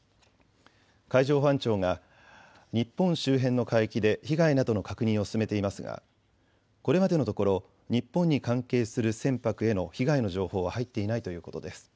海上保安庁が日本周辺の海域で被害などの確認を進めていますがこれまでのところ日本に関係する船舶への被害の情報は入っていないということです。